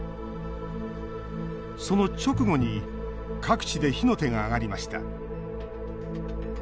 その直後に各地で火の手が上がりました。